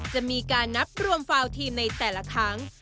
จะมีการนับรวมฟาวทีมในแต่ละครั้ง